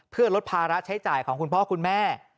เพื่อลดภาระใช้จ่ายของคุณพ่อคุณแม่